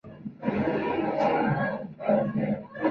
Las serpientes se benefician de la producción combinada de calor.